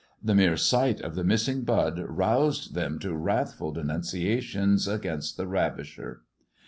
The mere sight of the missing bud roused them to wrathful denun ciations against its ravisher.